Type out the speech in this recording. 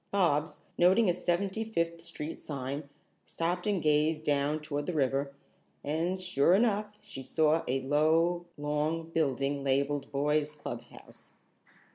Bobs, noting a Seventy fifth Street sign, stopped and gazed down toward the river, and sure enough she saw a long, low building labeled Boys' Club House.